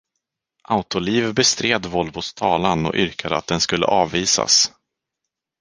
Autoliv bestred Volvos talan och yrkade att den skulle avvisas.